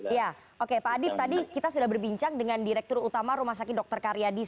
ya oke tadi tadi kita sudah berbincang dengan direktur utama rumah sakit dokter karya di